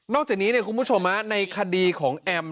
จากนี้คุณผู้ชมในคดีของแอม